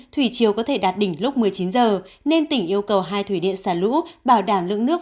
thủy chiều có thể đạt đỉnh lúc một mươi chín giờ nên tỉnh yêu cầu hai thủy điện xả lũ bảo đảm lượng nước